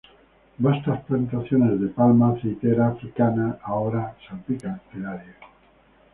Vastas plantaciones de palma aceitera africana ahora salpican el área.